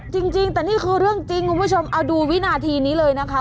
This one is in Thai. จริงแต่นี่คือเรื่องจริงคุณผู้ชมเอาดูวินาทีนี้เลยนะคะ